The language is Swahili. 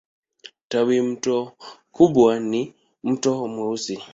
Tawimto kubwa ni Mto Mweusi.